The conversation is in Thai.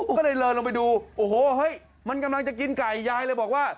ก็เลยเดินลงไปดูโอ้โหเฮ้ยมันกำลังจะกินไก่ยายเลยบอกว่า